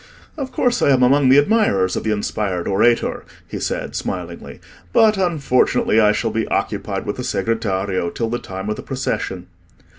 "Of course I am among the admirers of the inspired orator," he said, smilingly; "but, unfortunately, I shall be occupied with the Segretario till the time of the procession."